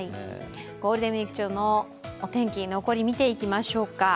ゴールデンウイーク中のお天気、残り見ていきましょうか。